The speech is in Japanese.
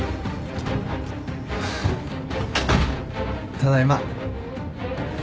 ・ただいま。